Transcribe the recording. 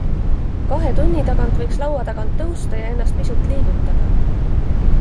Kahe tunni tagant võiks laua tagant tõusta ja ennast pisut liigutada.